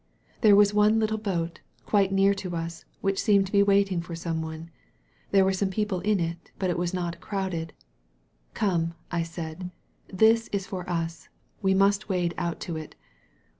There was one little boat, quite near to us, which seemed to be waiting for some one. There were some people on it, but it was not crowded. "Come," I said, "this is for us. We must wade out to it."